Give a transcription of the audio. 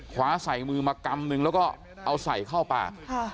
คว้าใส่มือมากำนึงแล้วก็เอาใส่เข้าปาก